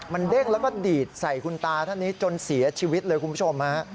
มันเด้งแล้วก็ดีดใส่คุณตาท่านนี้จนเสียชีวิตเลยคุณผู้ชมฮะ